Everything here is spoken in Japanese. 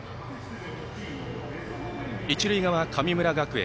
一塁側、神村学園。